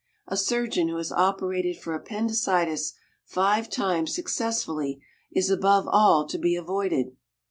A surgeon who has operated for appendicitis five times successfully is above all to be avoided.